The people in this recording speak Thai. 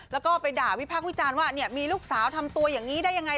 แล้วก็ไปด่าวิพักษ์วิจารณ์ว่ามีลูกสาวทำตัวอย่างนี้ได้ยังไง